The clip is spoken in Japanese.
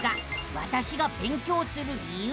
「わたしが勉強する理由」。